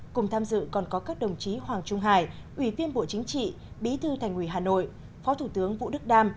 cùng tham dự còn có các đồng chí hoàng trung hải ủy viên bộ chính trị bí thư thành ủy hà nội phó thủ tướng vũ đức đam